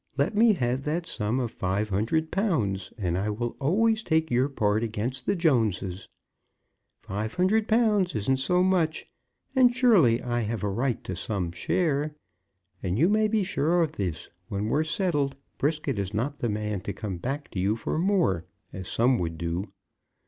Let me have that sum of five hundred pounds, and I will always take your part against the Joneses. Five hundred pounds isn't so much, and surely I have a right to some share. And you may be sure of this; when we're settled, Brisket is not the man to come back to you for more, as some would do."